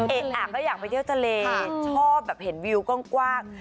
เอ๊ะอ่ะก็อยากไปเที่ยวทะเลชอบแบบเห็นวิวกว้าง